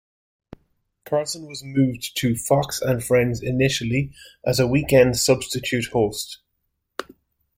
Carlson was moved to "Fox and Friends" initially as a weekend substitute host.